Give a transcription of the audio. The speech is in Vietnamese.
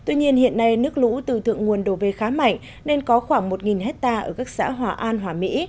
tuy nhiên hiện nay nước lũ từ thượng nguồn đổ về khá mạnh nên có khoảng một hectare ở các xã hòa an hòa mỹ